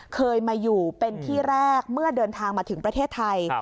เคยมาอยู่เป็นที่แรกเมื่อเดินทางมาถึงประเทศไทย